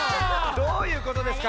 どういうことですか？